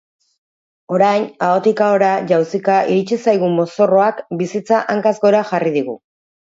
Orain, ahotik ahora jauzika iritsi zaigun mozorroak bizitza hankaz gora jarri digu.